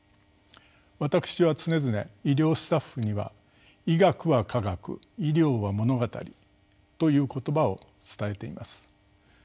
私は常々医療スタッフには「医学は科学医療は物語」という言葉を伝えています。